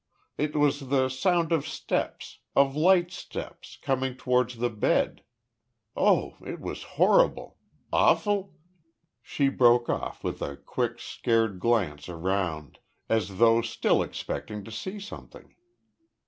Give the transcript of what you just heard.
It was the sound of steps of light steps coming towards the bed. Oh, it was horrible awful?" she broke off, with a quick, scared glance around as though still expecting to see something.